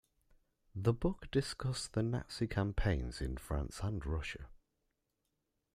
The book discussed the Nazi campaigns in France and Russia.